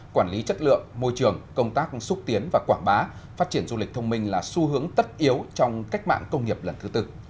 quản lý chất lượng môi trường công tác xúc tiến và quảng bá phát triển du lịch thông minh là xu hướng tất yếu trong cách mạng công nghiệp lần thứ tư